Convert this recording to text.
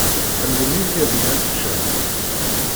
Ḥemmlen yirgazen ad ččen